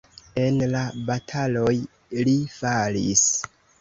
En la bataloj li falis.